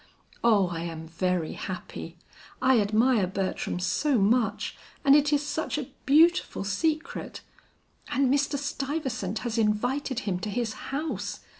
Oh, I am very happy; I admire Bertram so much, and it is such a beautiful secret. And Mr. Stuyvesant has invited him to his house!